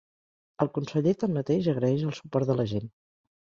El conseller, tanmateix, agraeix el suport de la gent.